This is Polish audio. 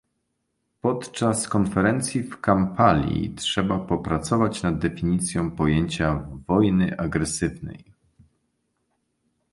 Podczas konferencji w Kampali trzeba popracować nad definicją pojęcia "wojny agresywnej"